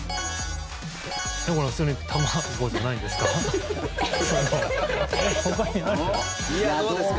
これ、普通に卵じゃないんですか？